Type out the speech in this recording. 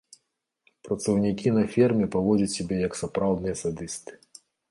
Працаўнікі на ферме паводзяць сябе як сапраўдныя садысты.